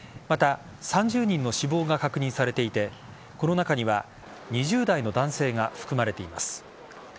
また、３０人の死亡が確認されていてこの中には２０代の男性が含まれています。